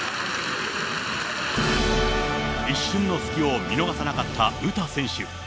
一瞬の隙を見逃さなかった詩選手。